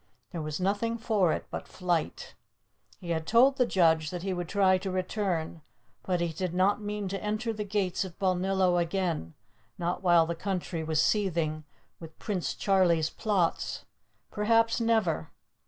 There was nothing for it but flight. He had told the judge that he would try to return, but he did not mean to enter the gates of Balnillo again, not while the country was seething with Prince Charlie's plots; perhaps never.